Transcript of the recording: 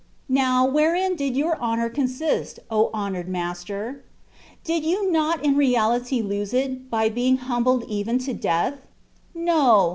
Now, wherein did your honour consist, O honoured Master? Did you not in reality lose it, by being humbled even to death? No